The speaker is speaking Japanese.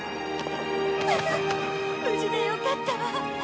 無事でよかったわ。